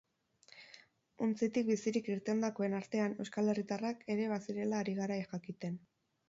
Untzitik bizirik irtendakoen artean euskal herritarrak ere bazirela ari gara jakiten.